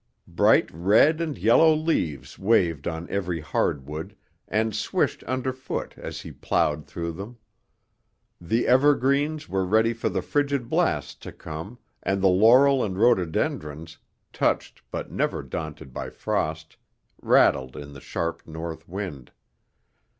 Bright red and yellow leaves waved on every hardwood and swished underfoot as he plowed through them. The evergreens were ready for the frigid blasts to come, and the laurel and rhododendrons, touched but never daunted by frost, rattled in the sharp north wind.